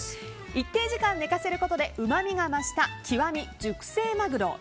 一定時間寝かせることでうまみが増した、極み熟成まぐろ。